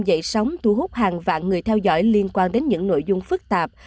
dậy sóng thu hút hàng vạn người theo dõi liên quan đến những nội dung phức tạp